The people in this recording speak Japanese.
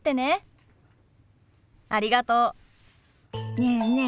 ねえねえ